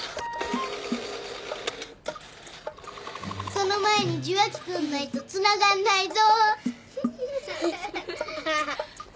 その前に受話器とんないとつながんないぞ。